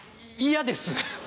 嫌です。